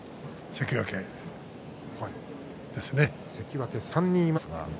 関脇は３人いますが。